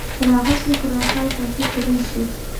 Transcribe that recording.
تر هغه چې خراسان صافي کړل شي.